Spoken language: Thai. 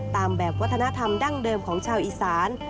ตามแบบวัฒนธรรมดั้งเดิมของชาวอีสาน